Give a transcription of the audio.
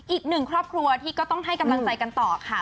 อีกหนึ่งครอบครัวที่ก็ต้องให้กำลังใจกันต่อค่ะ